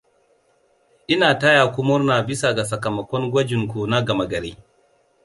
Ina taya ku murna bisa ga sakamakon gwajin ku na gama gari.